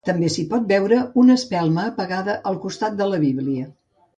També s'hi pot veure una espelma apagada al costat de la Bíblia.